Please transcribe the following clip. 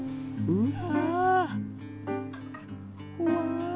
うわ。